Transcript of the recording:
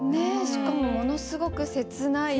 しかもものすごく切ない。